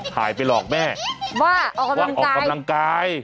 ถ่ายไปหลอกแม่ว่าออกกำลังกาย